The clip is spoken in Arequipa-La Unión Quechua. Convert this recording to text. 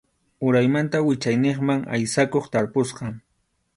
Uraymanta wichayniqman aysakuq tarpusqa.